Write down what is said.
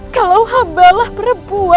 kalau hambalah perempuan